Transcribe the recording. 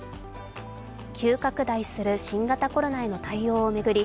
急拡大する新型コロナへの対応を巡り